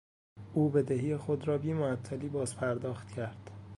او بدهی خود را بیمعطلی باز پرداخت کرد.